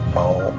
mau perlu waktu